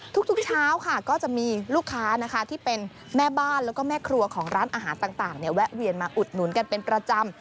ทุกเช้าค่ะก็จะมีลูกค้านะคะที่เป็นแม่บ้านแล้วก็แม่ครัวของร้านอาหารต่างแวะเวียนมาอุดหนุนกันเป็นประจำ